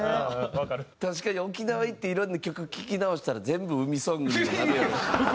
確かに沖縄行っていろんな曲聴き直したら全部海ソングにもなるやろし。